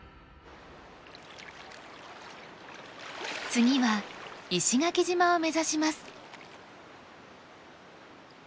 次は石垣島を目指します。